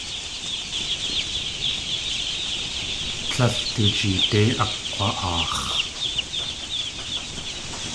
Tlél du jeedé akg̲wa.aax̲.